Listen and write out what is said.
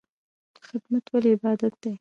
خدمت ولې عبادت دی؟